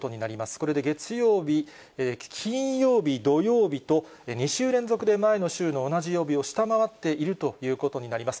これで月曜日、金曜日、土曜日と、２週連続で前の週の同じ曜日を下回っているということになります。